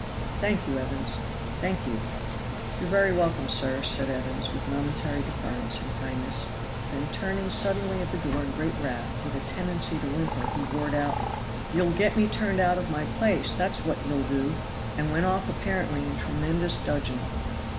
"Thank you, Evans, thank you!" "You are very welcome, sir," said Evans, with momentary deference and kindness. Then turning suddenly at the door in great wrath, with a tendency to whimper, he roared out, "Ye'll get me turned out of my place, that's what ye'll do!" and went off apparently in tremendous dudgeon.